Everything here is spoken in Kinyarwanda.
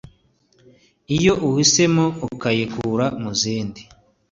iyo uhisemo ukayikura muzindi